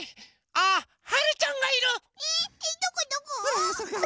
あっはるちゃんがいる！